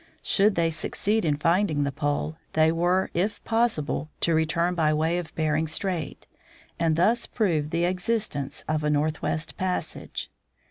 Should they succeed in finding the pole, they were, if possible, to return by way of Bering strait, and thus prove the existence of a northwest passage.